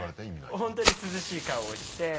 本当に涼しい顔をして。